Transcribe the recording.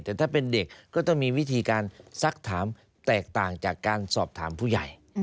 แต่ถ้าเป็นเด็กก็ต้องมีวิธีการซักถามแตกต่างจากการสอบถามผู้ใหญ่